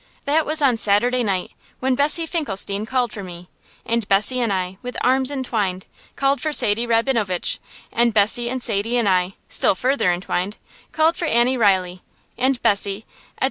That was on Saturday night, when Bessie Finklestein called for me; and Bessie and I, with arms entwined, called for Sadie Rabinowitch; and Bessie and Sadie and I, still further entwined, called for Annie Reilly; and Bessie, etc.